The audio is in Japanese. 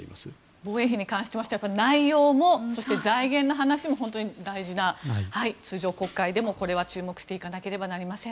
防衛費に関しましては内容もそして財源の話も本当に大事な通常国会でもこれは注目していかなければなりません。